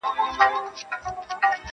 ښه ډاډه دي نه یې ډار سته له پیشیانو,